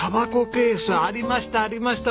ケースありましたありました！